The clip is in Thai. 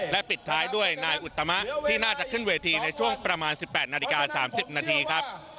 และปิดท้ายด้วยนายอุตมะที่น่าจะขึ้นเวทีในช่วงประมาณ๑๘นาฬิกา๓๐นาทีครับ